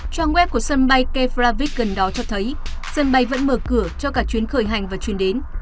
trang web của sân bay kefravit gần đó cho thấy sân bay vẫn mở cửa cho cả chuyến khởi hành và chuyển đến